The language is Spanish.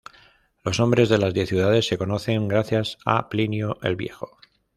Los nombres de las diez ciudades se conocen gracias a Plinio el Viejo.